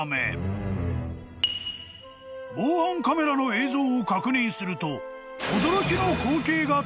［防犯カメラの映像を確認すると］